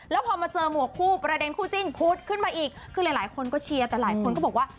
แล้วพอมาเจอหมวกคู่ประเด็นคู่จิ้นพุธขึ้นมาอีกคือหลายคนก็เชียร์แต่หลายคนก็บอกว่า